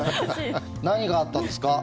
何があったんですか。